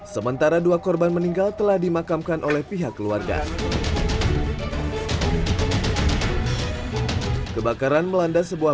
sementara dua korban meninggal telah dimakamkan oleh pihak keluarga kebakaran melanda sebuah